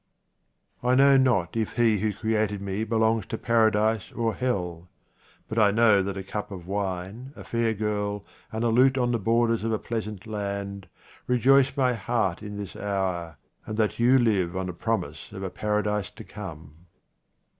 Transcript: I KNOW not if He who created me belongs to Paradise or hell, but I know that a cup of wine, a fair girl, and a lute on the borders of a pleasant land, rejoice my heart in this hour, and that you live on the promise of a Paradise to come.